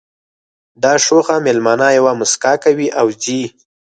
دا شوخه مېلمنه یوه مسکا کوي او ځي